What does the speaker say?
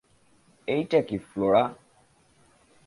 এইটা কি, ফ্লোরা?